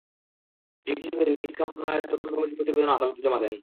একই সঙ্গে তিনি শিক্ষা মন্ত্রণালয়ের তদন্ত কমিটির প্রতিবেদনও আদালতে জমা দেন।